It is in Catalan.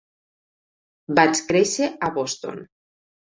Vaig créixer a Boston.